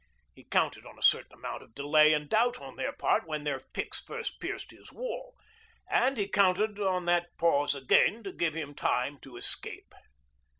He counted on a certain amount of delay and doubt on their part when their picks first pierced his wall, and he counted on that pause again to give him time to escape.